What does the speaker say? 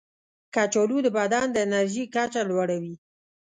کچالو د بدن د انرژي کچه لوړوي.